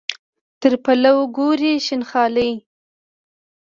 تر پلو ګوري شین خالۍ.